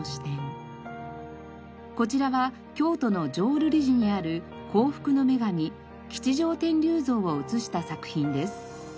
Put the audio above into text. こちらは京都の浄瑠璃寺にある幸福の女神吉祥天立像を写した作品です。